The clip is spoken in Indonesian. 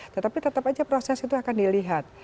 tetapi tetap aja proses itu akan dilihat